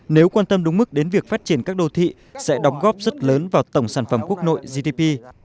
nếu quan tâm đúng mức đến việc phát triển các đô thị sẽ đóng góp rất lớn vào tổng sản phẩm quốc nội gdp